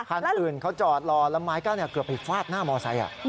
คันอื่นเขาจอดรอแล้วไม้กั้นเกือบไปฟาดหน้ามอไซค